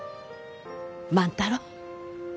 万太郎。